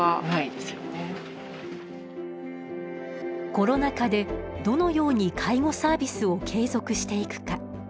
コロナ禍でどのように介護サービスを継続していくか。